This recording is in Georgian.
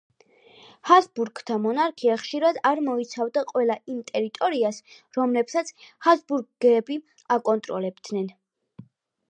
ჰაბსბურგთა მონარქია ხშირად არ მოიცავდა ყველა იმ ტერიტორიას, რომლებსაც ჰაბსბურგები აკონტროლებდნენ.